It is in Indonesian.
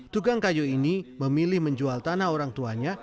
tukang kayu ini memilih menjual tanah orang tuanya